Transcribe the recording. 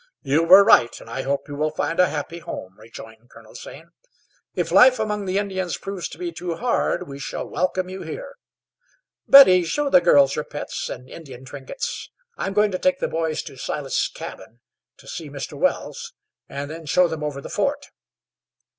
"You were right, and I hope you will find a happy home," rejoined Colonel Zane. "If life among the Indians, proves to be too hard, we shall welcome you here. Betty, show the girls your pets and Indian trinkets. I am going to take the boys to Silas' cabin to see Mr. Wells, and then show them over the fort."